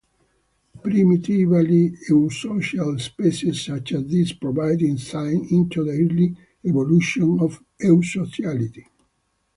Primitively eusocial species such as these provide insight into the early evolution of eusociality.